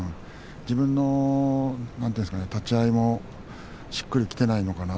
自分の立ち合いしっくりきていないのかな。